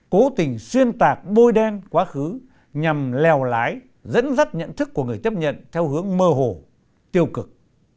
cố tình xuyên tạc bôi đen quá khứ nhằm lèo lái dẫn dắt nhận thức của người tiếp nhận theo hướng mơ hồ tiêu cực